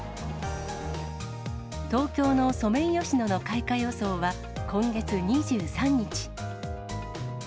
東京のソメイヨシノの開花予想は今月２３日。